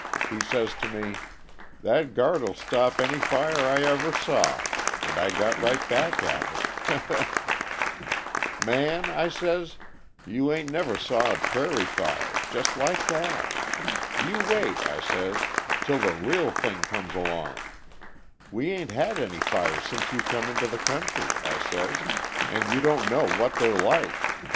He says to me: 'That guard'll stop any fire I ever saw,' and I got right back at him he he! 'Man,' I says, 'you ain't never saw a prairie fire' just like that. 'You wait,' I says, 'till the real thing comes along. We ain't had any fires since you come into the country,' I says, 'and you don't know what they're like.